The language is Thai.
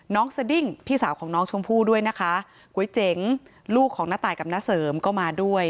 สดิ้งพี่สาวของน้องชมพู่ด้วยนะคะก๋วยเจ๋งลูกของน้าตายกับน้าเสริมก็มาด้วย